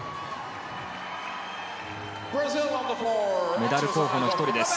メダル候補の１人です。